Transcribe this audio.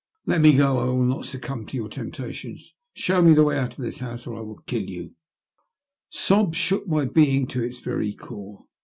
*' Let me go, I will not succumb to your temptations. Show me the way out of this house, or I will kill you." Sobs shook my being to its very core.